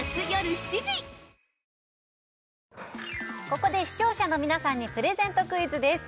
ここで視聴者の皆さんにプレゼントクイズです